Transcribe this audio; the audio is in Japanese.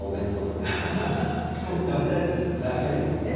食べたいですよね？